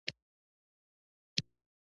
جنګ ته بالکل تیار یو.